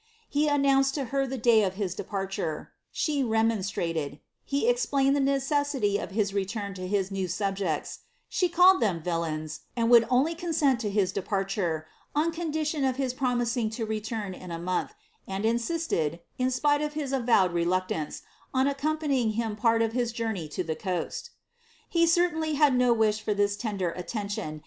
He announced to her (he day uf his departure — she rcmon Blraied ; he explained the neceasjly of his return to his new subjeru She called them "■ villains,'" and would only consent lo his de|>arlure on condition of his promising lo return in a month, and insisieil, it spite of his avowed reluctance, on accompanying bim part of his joutnet to the coasl. Ide certainly had no wi:ih for this tender atieniiim.